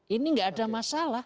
ini gak ada masalah